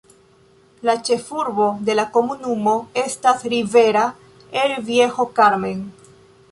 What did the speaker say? La ĉefurbo de la komunumo estas Rivera el Viejo Carmen.